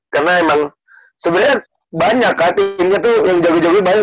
karena emang sebenernya banyak lah team nya tuh yang joget joget banyak